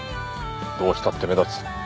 どうしたって目立つ。